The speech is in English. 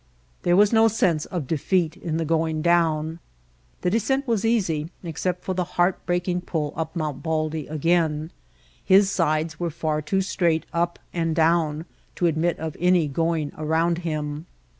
There was no sense of defeat in the going down. The descent was easy except for the heart breaking pull up Mount Baldy again. His sides were far too straight up and down to admit of any going around him.